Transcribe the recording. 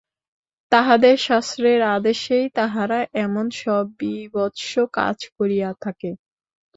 তাহাদের শাস্ত্রের আদেশেই তাহারা এমন সব বীভৎস কাজ করিয়া থাকে।